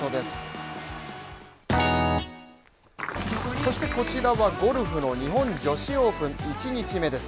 そしてこちらはゴルフの日本女子オープン１日目です。